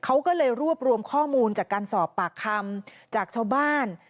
เขาก็เลยรวบรวมข้อมูลจากการสอบปากคำจากชาวบ้าน